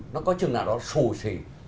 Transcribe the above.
nó có chừng nào nó xù xì